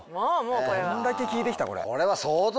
どんだけ聴いてきたこれ。